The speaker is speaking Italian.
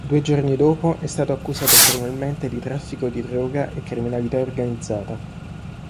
Due giorni dopo è stato accusato formalmente di traffico di droga e criminalità organizzata.